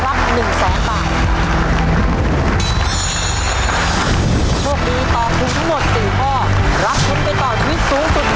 ยังไม่หมดเท่านั้นหรือครับเรายังมีของรักสุดพิเศษ